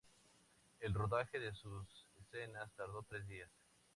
El rodaje de sus escenas tardó tres días.